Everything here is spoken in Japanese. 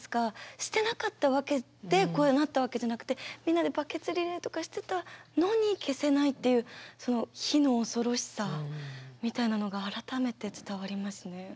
してなかったわけでこうなったわけじゃなくてみんなでバケツリレーとかしてたのに消せないっていうその火の恐ろしさみたいなのが改めて伝わりますね。